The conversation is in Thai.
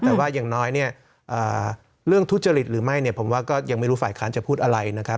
แต่ว่าอย่างน้อยเนี่ยเรื่องทุจริตหรือไม่เนี่ยผมว่าก็ยังไม่รู้ฝ่ายค้านจะพูดอะไรนะครับ